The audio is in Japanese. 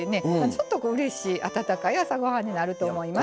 ちょっとうれしい温かい朝ごはんになると思います。